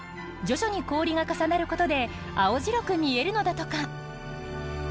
徐々に氷が重なることで青白く見えるのだとか。